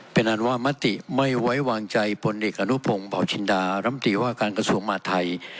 เป็นอันว่ามติไม่ไว้วางใจบนเอกอนุโปรงบาวชินดารัมติว่าการกระทรวงมาทัย